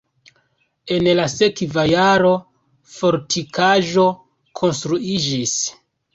En la sekva jaro fortikaĵo konstruiĝis.